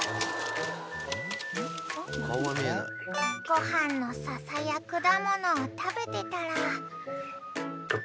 ［ご飯のササや果物を食べてたら］